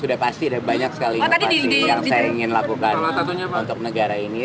sudah pasti ada banyak sekali inovasi yang saya ingin lakukan untuk negara ini